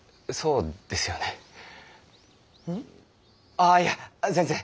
ああいや全然！